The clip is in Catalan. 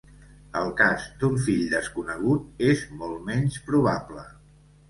El cas d'un fill desconegut és molt menys probable.